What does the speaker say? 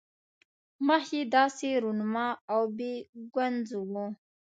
مخ یې داسې رونما او بې ګونځو وو.